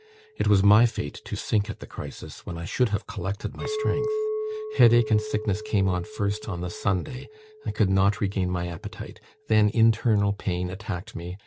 It was my fate to sink at the crisis, when I should have collected my strength. Headache and sickness came on first on the Sunday; I could not regain my appetite. Then internal pain attacked me.